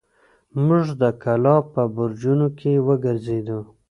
موږ د کلا په برجونو کې وګرځېدو.